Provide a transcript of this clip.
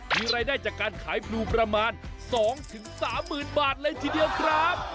มีรายได้จากการขายพลูประมาณ๒๓๐๐๐บาทเลยทีเดียวครับ